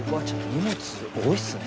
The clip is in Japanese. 荷物多いっすね。